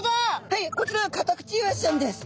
はいこちらはカタクチイワシちゃんです。